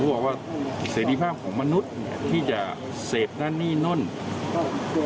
ผมบอกว่าเสร็จริภาพของมนุษย์ที่จะเศษนั่นนี่นั่นน่ะ